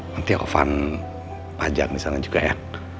nanti alvan pajang di sana juga ya